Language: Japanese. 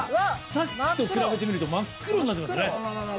さっきと比べてみると真っ黒になってますね。